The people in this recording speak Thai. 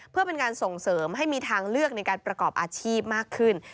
เพื่อเป็นการส่งเสริมให้มีทางเลือกในการประกอบอาชีพมากขึ้น